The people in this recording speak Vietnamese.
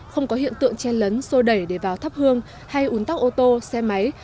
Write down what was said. không có hiện tượng che lấn sôi đẩy để vào thắp hương hay uốn tóc ô tô xe máy